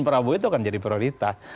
prabowo itu akan jadi prioritas